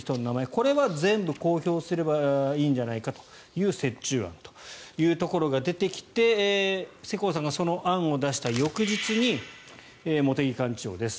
これは全部公表すればいいんじゃないかという折衷案というところが出てきて世耕さんがその案を出した翌日に茂木幹事長です。